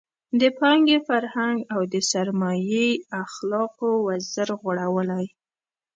د پانګې فرهنګ او د سرمایې اخلاقو وزر غوړولی.